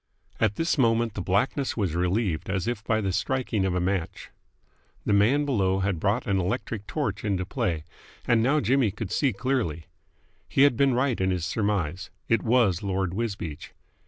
At this moment the blackness was relieved as if by the striking of a match. The man below had brought an electric torch into play, and now Jimmy could see clearly. He had been right in his surmise. It was Lord Wisbeach.